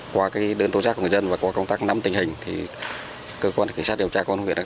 qua cái đơn tố giác của người dân và có công tác nắm tình hình thì cơ quan cảnh sát điều tra